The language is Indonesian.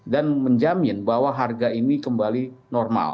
dan menjamin bahwa harga ini kembali normal